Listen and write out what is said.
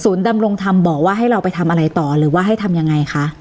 ดำรงธรรมบอกว่าให้เราไปทำอะไรต่อหรือว่าให้ทำยังไงคะ